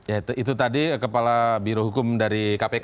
ya itu tadi kepala biro hukum dari kpk